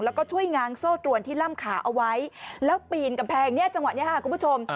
แล้วก็ช่วยง้างโซ่ตรวนที่ล่ำขาเอาไว้แล้วปีนกำแพงเนี่ยจังหวะนี้ค่ะคุณผู้ชม